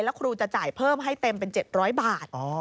แล้วครูจะจ่ายเพิ่มให้เต็มเป็น๗๐๐บาท